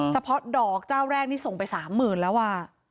เฉพาะดอกเจ้าแรกนี่ส่งไป๓๐๐๐แล้ว